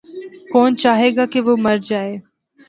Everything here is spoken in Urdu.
کون چاہے گا کہ وہ مر جاَئے۔